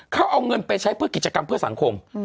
เขาเอาเงินไปใช้เพื่อกิจกรรมเพื่อสังคม